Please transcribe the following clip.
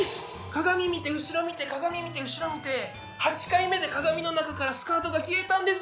鏡見て後ろ見て鏡見て後ろ見て８回目で鏡の中からスカートが消えたんです。